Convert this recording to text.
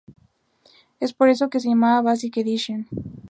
Es por eso que se llama Basic Edition.